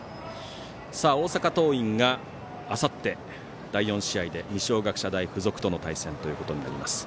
大阪桐蔭があさって第４試合で、二松学舎大付属との対戦となります。